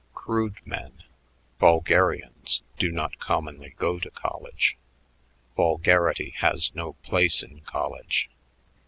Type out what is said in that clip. Crude men vulgarians do not commonly go to college. Vulgarity has no place in college.